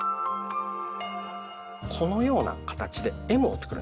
このような形でＭを作るんですね。